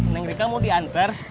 neng rika mau diantar